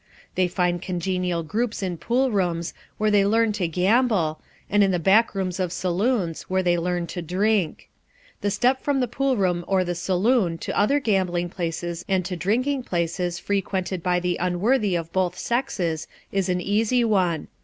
They find congenial groups in pool rooms, where they learn to gamble, and in the back rooms of saloons, where they learn to drink. The step from the pool room or the saloon to other gambling places and to drinking places frequented by the unworthy of both sexes is an easy one.